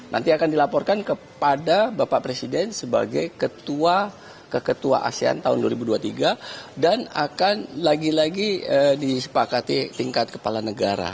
nanti akan dilaporkan kepada bapak presiden sebagai ketua asean tahun dua ribu dua puluh tiga dan akan lagi lagi disepakati tingkat kepala negara